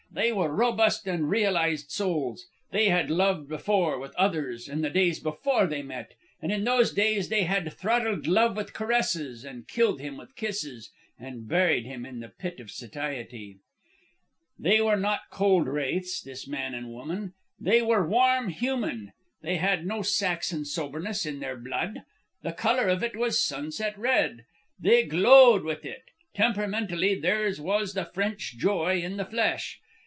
They were robust and realized souls. They had loved before, with others, in the days before they met; and in those days they had throttled Love with caresses, and killed him with kisses, and buried him in the pit of satiety. "They were not cold wraiths, this man and woman. They were warm human. They had no Saxon soberness in their blood. The colour of it was sunset red. They glowed with it. Temperamentally theirs was the French joy in the flesh.